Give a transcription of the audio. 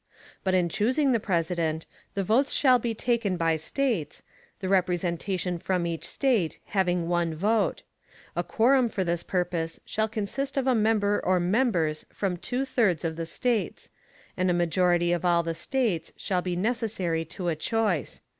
But in choosing the President, the votes shall be taken by States, the representation from each State having one vote; a quorum for this purpose shall consist of a member or members from two thirds of the States, and a majority of all the States shall be necessary to a choice.